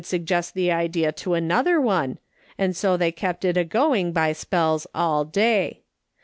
suggest the idea to another one, and so they kept it a going by spells, all day.